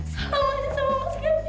sama aja sama mas kevin